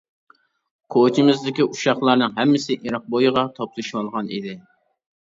كوچىمىزدىكى ئۇششاقلارنىڭ ھەممىسى ئېرىق بويىغا توپلىشىۋالغان ئىدى.